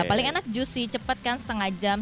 paling enak jus sih cepet kan setengah jam